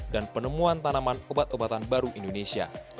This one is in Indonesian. dan penemuan tanaman obat obatan baru indonesia